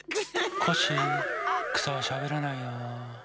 コッシーくさはしゃべらないよ。